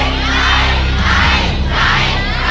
ใช้